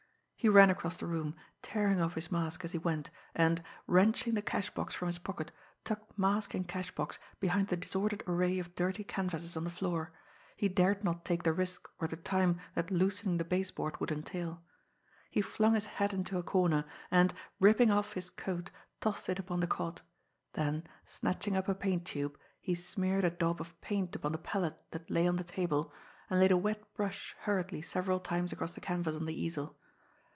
He ran across the room, tearing off his mask as he went, and, wrenching the cash box from his pocket, tucked mask and cash box behind the disordered array of dirty canvases on the floor he dared not take the risk or the time that loosening the base board would entail. He flung his hat into a corner, and, ripping off his coat, tossed it upon the cot; then, snatching up a paint tube, he smeared a daub of paint upon the palette that lay on the table, and laid a wet brush hurriedly several times across the canvas on the easel.